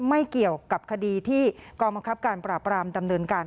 ไม่เกี่ยวกับคดีที่กองบังคับการปราบรามดำเนินการ